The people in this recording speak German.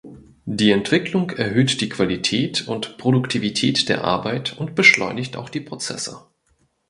Die Entwicklung erhöht die Qualität und Produktivität der Arbeit und beschleunigt auch die Prozesse.